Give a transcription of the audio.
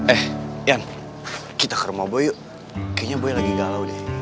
eh yan kita ke rumah boy kayaknya boy lagi galau deh